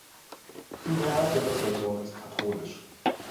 Die Mehrheit der Bevölkerung ist katholisch.